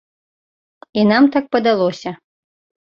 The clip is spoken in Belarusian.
І нам так падалося.